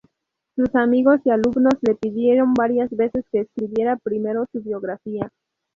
Sus amigos y alumnos le pidieron varias veces que escribiera primero su biografía.